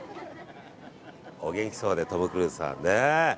お元気そうでトム・クルーズさんね。